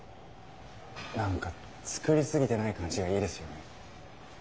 なんか作りすぎてない感じがいいですよね。